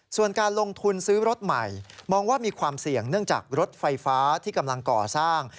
ส่วนการลงทุนซื้อรถใหม่มองว่ามีความเสี่ยงเนื่องจากรถไฟฟ้าที่กำลังก่อสร้าง